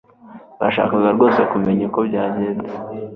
Bashakaga rwose kumenya uko byagenze